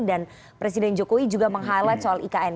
dan presiden jokowi juga meng highlight soal ikn